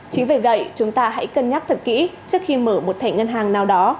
chính vì vậy chúng ta hãy cân nhắc thật kỹ trước khi mở một thẻ ngân hàng nào đó